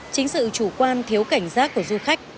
chính sự chủ quan thiếu cảnh giác của du khách